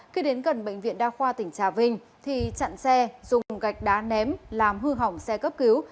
khi đến gần bệnh viện đa khoa tỉnh trà vinh thì chặn xe dùng gạch đá ném làm hư hỏng xe cấp cứu